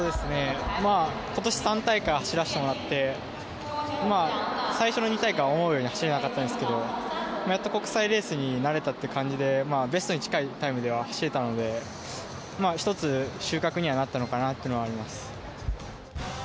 今年３大会走らせてもらって最初の２大会は思うように走れなかったんですけどやっと国際レースに慣れたという形でベストに近いタイムでは走れたので１つ収穫にはなったのかなというのはあります。